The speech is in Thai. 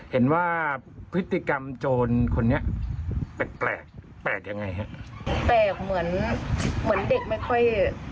เห็นว่าพฤติกรรมโจรคนนี้แปลกแปลกแปลกยังไงฮะแปลกเหมือนเหมือนเด็กไม่ค่อย